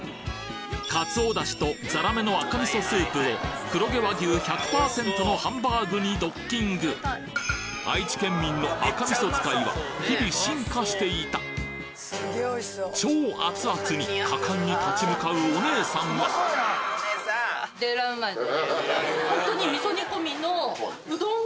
かつおだしとザラメの赤味噌スープを黒毛和牛１００％のハンバーグにドッキング愛知県民の赤味噌使いは日々進化していた超熱々に果敢に立ち向かうお姉さんは具が。